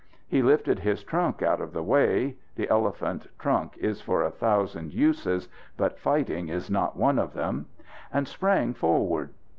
He lifted his trunk out of the way the elephant trunk is for a thousand uses, but fighting is not one of them and sprang forward.